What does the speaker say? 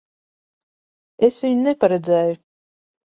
Es viņu neparedzēju.